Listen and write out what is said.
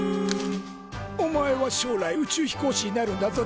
「お前は将来宇宙飛行士になるんだぞ。